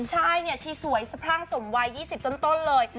ใช่ชีสวยสะพรั้งสมวัย๒๐จนเลย